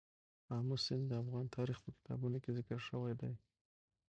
آمو سیند د افغان تاریخ په کتابونو کې ذکر شوی دی.